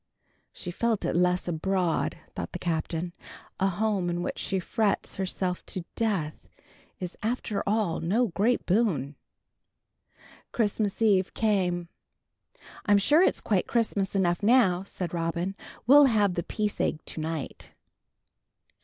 "She felt it less abroad," thought the Captain. "A home in which she frets herself to death, is after all, no great boon." Christmas Eve came. "I'm sure it's quite Christmas enough now," said Robin. "We'll have 'The Peace Egg' to night."